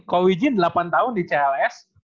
kau wijin delapan tahun di cls